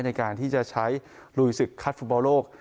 ในการที่จะใช้ลุยศึกคัดฟุตบอลโลก